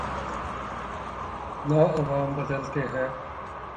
نہ عوام بدلتے ہیں۔